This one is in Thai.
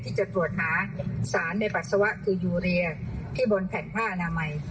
ที่จะตรวจหาสารในปัสสาวะคือยูเรียที่บนแผ่นผ้าอนามัย